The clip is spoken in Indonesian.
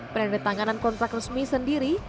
penerbitanganan kontrak resmi sendiri